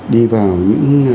đi vào những